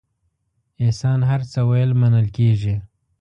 احسان هر څه ویل منل کېږي.